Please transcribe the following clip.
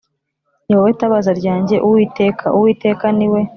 Ni wowe tabaza ryanjye Uwiteka Uwiteka ni we